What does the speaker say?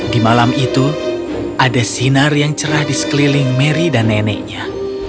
di malam itu ada sinar yang cerah di sekeliling mary dan neneknya